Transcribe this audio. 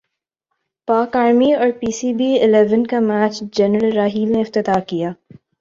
پاک ارمی اور P C B eleven کا میچ جنرل راحیل نے افتتاح کیا